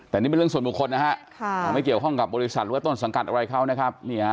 แต่นี่เป็นเรื่องส่วนบุคคลนะฮะไม่เกี่ยวข้องกับบริษัทหรือว่าต้นสังกัดอะไรเขานะครับ